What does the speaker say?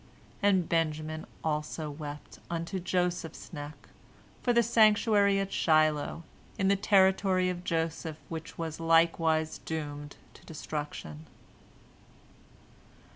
And Benjamin also wept upon Joseph's neck, for the sanctuary at Shiloh, in the territory of Joseph which was likewise doomed to destruction.